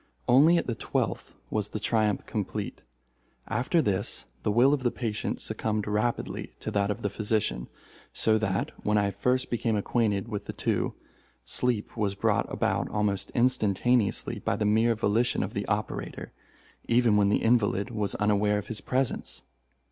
Only at the twelfth was the triumph complete. After this the will of the patient succumbed rapidly to that of the physician, so that, when I first became acquainted with the two, sleep was brought about almost instantaneously by the mere volition of the operator, even when the invalid was unaware of his presence.